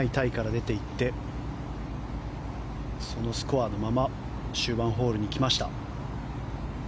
出て行ってそのスコアのまま終盤ホールに来ました。